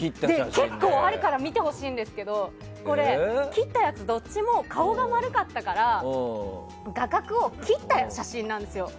結構あるから見てほしいんですが切ったやつどっちも顔が丸かったから画角を切った写真なんですよ。